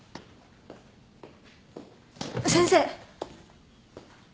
先生！